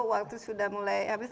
waktu sudah mulai